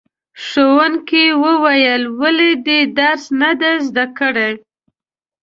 ښوونکي وویل ولې دې درس نه دی زده کړی؟